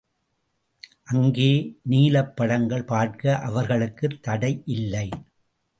அங்கே நீலப்படங்கள் பார்க்க அவர்களுக்குத் தடை இல்லை.